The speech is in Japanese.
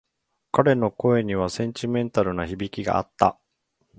彼の声にはセンチメンタルな響きがあった。